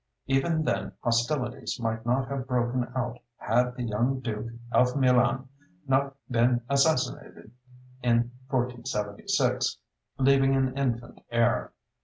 Even then hostilities might not have broken out had the young Duke of Milan not been assassinated in 1476, leaving an infant heir.